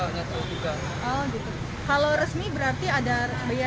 oh gitu kalau resmi berarti ada bayar